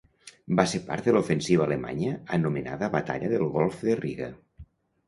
Va ser part de l'ofensiva alemanya anomenada batalla del Golf de Riga.